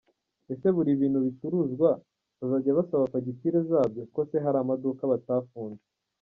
Ese buri bintu bicuruzwa bazajya babaza fagitire zabyo? ko se hari amaduka batafunze?”.